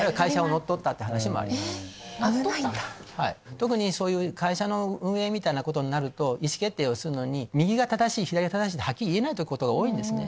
特にそういう会社の運営みたいなことになると意思決定をするのに右が正しい左が正しいってハッキリ言えないことが多いんですね。